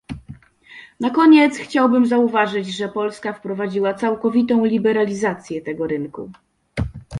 Na koniec chciałbym zauważyć, że Polska wprowadziła całkowitą liberalizację tego rynku